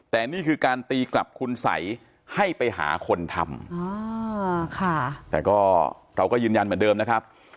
แต่นี่คือการตีกลับคุณสัยให้ไปหาคนทำแต่ก็เราก็ยืนยันเหมือนเดิมนะครับ